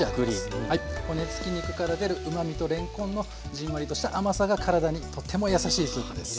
骨付き肉から出るうまみとれんこんのじんわりとした甘さが体にとてもやさしいスープです。